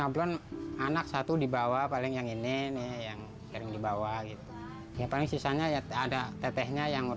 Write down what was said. buat anak anak aja yang penting